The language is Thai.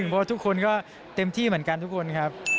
เพราะทุกคนก็เต็มที่เหมือนกันทุกคนครับ